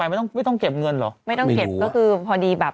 กล้วยทอด๒๐๓๐บาท